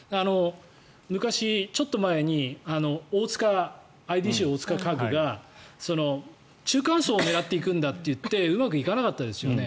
昔、ちょっと前にＩＤＣ大塚家具が中間層を狙っていくんだと言ってうまくいかなかったですよね。